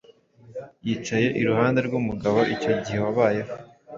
Yicaye iruhande rwumugabo icyo gihe wabayeho